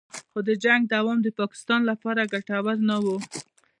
خو د جنګ دوام د پاکستان لپاره ګټور نه و